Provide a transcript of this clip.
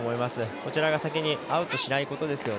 こちらが先にアウトしないことですよね